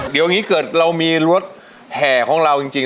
เดี๋ยวนี้เกิดเรามีรถแห่ของเราจริง